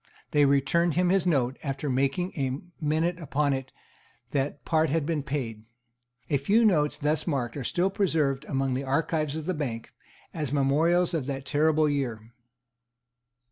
They returned him his note, after making a minute upon it that part had been paid. A few notes thus marked are still preserved among the archives of the Bank, as memorials of that terrible year.